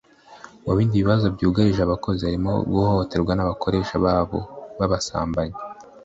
Mu bindi bibazo byugarije abakozi harimo guhohoterwa n’abakoresha babo babasambanya